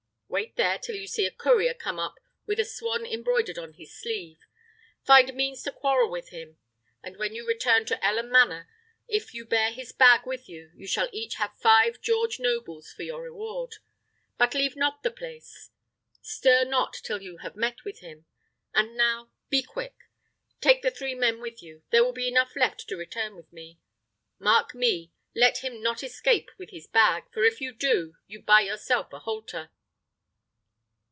Wait there till you see a courier come up with a swan embroidered on his sleeve; find means to quarrel with him; and when you return to Elham Manor, if you bear his bag with you, you shall each have five George nobles for your reward. But leave not the place. Stir not till you have met with him. And now be quick; take the three men with you; there will be enough left to return with me. Mark me! let him not escape with his bag, for if you do, you buy yourself a halter."